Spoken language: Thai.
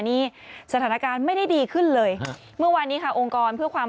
นี่สถานการณ์ไม่ได้ดีขึ้นเลยเมื่อวานนี้ค่ะองค์กรเพื่อความ